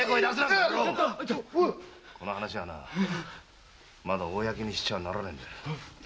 この話はまだ公にしちゃならねえんだ。